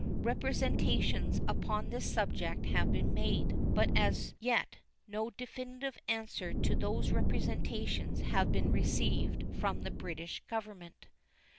Representations upon this subject have been made, but as yet no definitive answer to those representations has been received from the British Government.